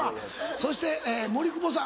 そして森久保さん。